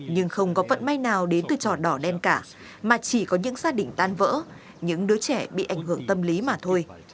nhưng không có vận may nào đến từ trò đỏ đen cả mà chỉ có những gia đình tan vỡ những đứa trẻ bị ảnh hưởng tâm lý mà thôi